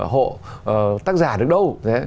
hộ tác giả được đâu